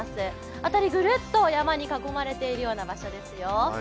辺り、ぐるっと山に囲まれてるような場所ですよ。